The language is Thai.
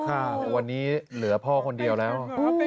ค่ะวันนี้เหลือพ่อคนเดียวแล้ว